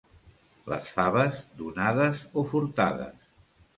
Les faves, donades o furtades.